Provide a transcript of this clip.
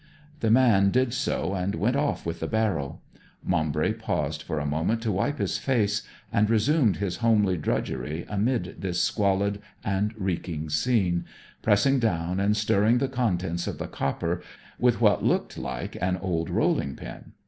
The man did so and went off with the barrow. Maumbry paused for a moment to wipe his face, and resumed his homely drudgery amid this squalid and reeking scene, pressing down and stirring the contents of the copper with what looked like an old rolling pin.